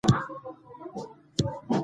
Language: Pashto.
که باران وشي نو رمه به غره ته لاړه نشي.